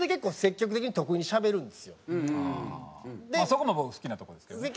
そこも僕好きなとこですけどね。